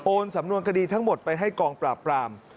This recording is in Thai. สำนวนคดีทั้งหมดไปให้กองปราบปราม